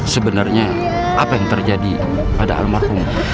sebenarnya apa yang terjadi pada almarhum